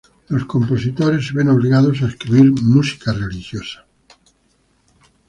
Los compositores se ven obligados a escribir música religiosa.